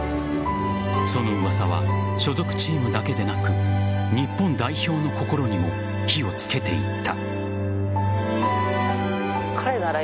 その噂は所属チームだけでなく日本代表の心にも火をつけていった。